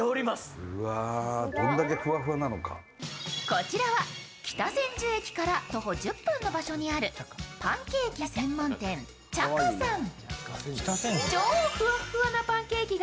こちらは北千住駅から徒歩１０分の場所にあるパンケーキ専門店、茶香さん。